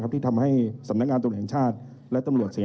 ทำข้อที่จริงนี้คือเราไม่รู้ว่าเราก็ตกใจว่ามันเกิดอะไรขึ้น